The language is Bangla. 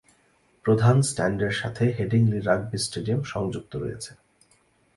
প্রধান স্ট্যান্ডের সাথে হেডিংলি রাগবি স্টেডিয়াম সংযুক্ত রয়েছে।